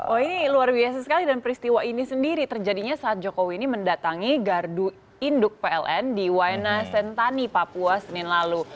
oh ini luar biasa sekali dan peristiwa ini sendiri terjadinya saat jokowi ini mendatangi gardu induk pln di waena sentani papua senin lalu